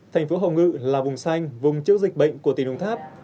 thành phố hồng ngự là vùng xanh vùng trước dịch bệnh của tỉnh hồng tháp